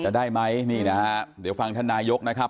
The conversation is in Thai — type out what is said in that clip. ได้ไหมนี่นะฮะเดี๋ยวฟังท่านนายกนะครับ